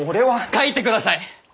書いてください！